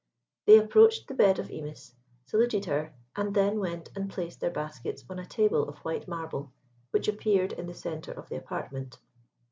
They approached the bed of Imis, saluted her, and then went and placed their baskets on a table of white marble, which appeared in the centre of the apartment.